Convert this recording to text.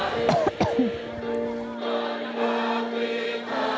bersih merakyat kerja